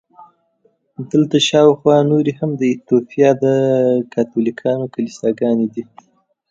دلته شاوخوا نورې هم د ایټوپیا د کاتولیکانو کلیساګانې دي.